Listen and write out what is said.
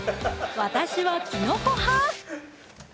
私はきのこ派！